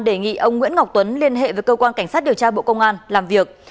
đề nghị ông nguyễn ngọc tuấn liên hệ với cơ quan cảnh sát điều tra bộ công an làm việc